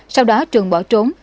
sau đó trường bỏ trốn